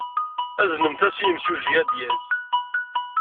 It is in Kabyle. Aznemt-as i yimsujji, ad d-yas.